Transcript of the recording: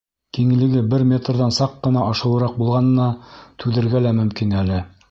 Киңлеге бер метрҙан саҡ ҡына ашыуыраҡ булғанына түҙергә лә мөмкин әле.